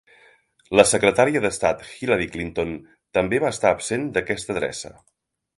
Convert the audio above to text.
La secretària d'estat Hillary Clinton també va estar absent d'aquesta adreça.